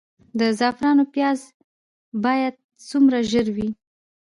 د زعفرانو پیاز باید څومره ژور وي؟